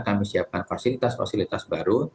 kami siapkan fasilitas fasilitas baru